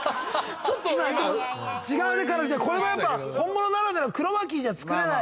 ちょっと今違う目から見てこれがやっぱ本物ならではのクロマキーじゃ作れない。